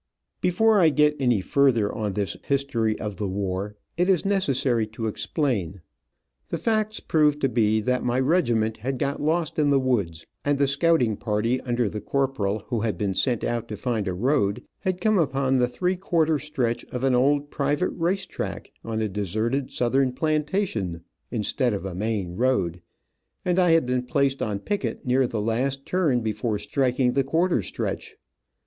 {*}* [Before I get any further on this history of the war, it is necessary to explain. The facts proved to be that my regiment had got lost in the woods, and the scouting party, under the corporal, who had been sent out to find a road, had come upon the three quarter stretch of an old private race track on a deserted southern plantation, instead of a main road, and I had been placed on picket near the last turn before striking the quarter stretch.